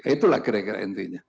itulah kira kira intinya